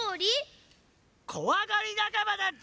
こわがり仲間だっち！